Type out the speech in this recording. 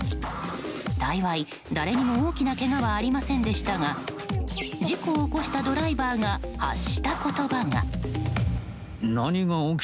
幸い、誰にも大きなけがはありませんでしたが事故を起こしたドライバーが発した言葉が。